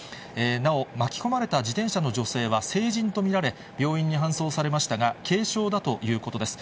なお、巻き込まれた自転車の女性は成人と見られ、病院に搬送されましたが、軽傷だということです。